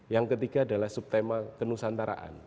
yang ketiga adalah subtema kenusantaraan